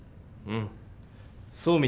うん。